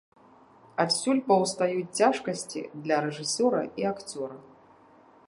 Адсюль паўстаюць цяжкасці для рэжысёра і акцёра.